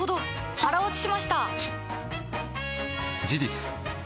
腹落ちしました！